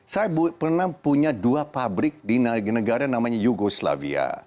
saya pernah punya dua pabrik di negara namanya yugoslavia